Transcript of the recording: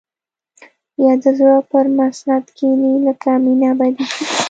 يا د زړه پر مسند کښيني لکه مينه ابدي شي.